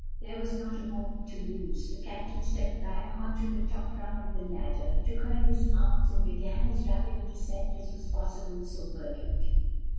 There was not a moment to lose. The captain stepped back on to the top round of the ladder, took her in his arms, and began as rapid a descent as was possible so burdened.